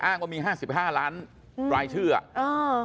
อ้างว่ามี๕๕ล้านรายชื่ออ่ะ